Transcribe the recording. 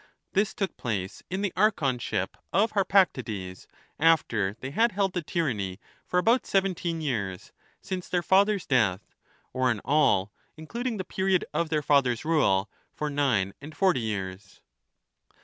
This took place in the archonship of Harpactides, 1 after they had held the tyranny for about seventeen years since their father's death, or in all, including the period of their father's rule, for nine and forty years.